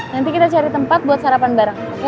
nanti kita cari tempat buat sarapan bareng